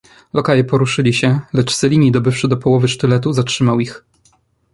"Lokaje poruszyli się, lecz Cellini dobywszy do połowy sztyletu zatrzymał ich."